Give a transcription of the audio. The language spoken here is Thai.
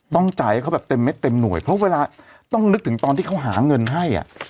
ต้องจ่ายให้เขาแบบเต็มเม็ดเต็มหน่วยเพราะเวลาต้องนึกถึงตอนที่เขาหาเงินให้อ่ะ